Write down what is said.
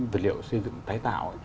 vật liệu xây dựng tái tạo